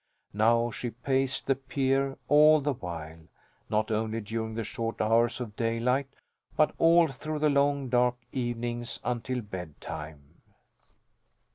Now she paced the pier all the while not only during the short hours of daylight but all through the long, dark evenings, until bedtime.